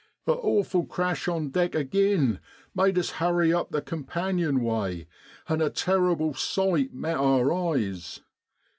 ' A awful crash on deck agin made us hurry up the companion way, an' a terri ble sight met our eyes.